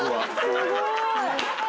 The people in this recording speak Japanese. すごい！